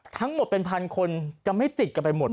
ทั้งหมดเป็นพันคนจะไม่ติดกันไปหมด